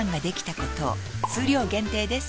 数量限定です